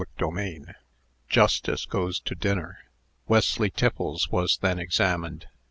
CHAPTER III. JUSTICE GOES TO DINNER. Wesley Tiffles was then examined.